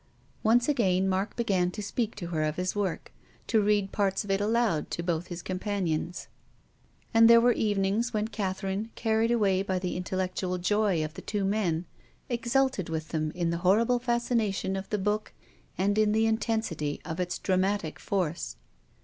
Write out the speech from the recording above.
Once again Mark began to speak to her of his work, to read parts of it aloud to both his com panions. And there were evenings when Cath erine, carried away by the intellectual joy of the two men, exulted with them in the horrible fas cination of the book and in the intensity of its dramatic force.